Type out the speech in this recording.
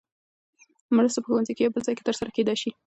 مرسته په ښوونځي یا بل ځای کې ترسره کېدای شي.